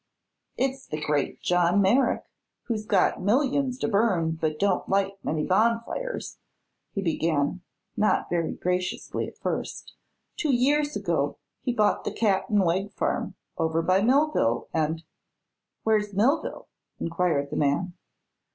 "It's the great John Merrick, who's got millions to burn but don't light many bonfires," he began, not very graciously at first. "Two years ago he bought the Cap'n Wegg farm, over by Millville, an' " "Where's Millville?" inquired the man.